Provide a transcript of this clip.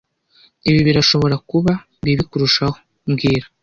Ibi birashobora kuba bibi kurushaho mbwira